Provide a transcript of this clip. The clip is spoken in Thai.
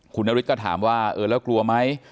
คุณนฤทธิ์ก็ถามว่าเออแล้วกลัวไหม